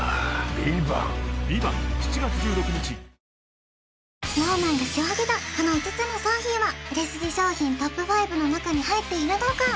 わかるぞＳｎｏｗＭａｎが仕分けたこの５つの商品は売れ筋商品ＴＯＰ５の中に入っているのか？